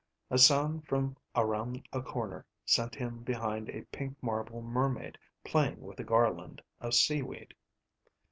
A sound from around a corner sent him behind a pink marble mermaid playing with a garland of seaweed.